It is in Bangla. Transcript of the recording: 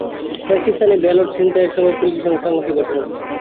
কয়েকটি স্থানে ব্যালট ছিনতাইয়ের সময় পুলিশের সঙ্গে সংঘর্ষের ঘটনা ঘটে।